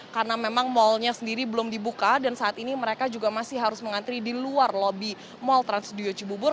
karena memang malnya sendiri belum dibuka dan saat ini mereka juga masih harus mengantri di luar lobby mall trans studio cibubur